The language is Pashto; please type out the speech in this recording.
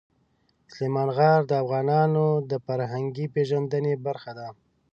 سلیمان غر د افغانانو د فرهنګي پیژندنې برخه ده.